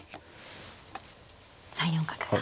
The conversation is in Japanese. ３四角が。